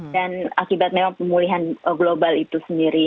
akibat memang pemulihan global itu sendiri